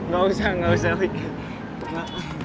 gak usah gak usah wika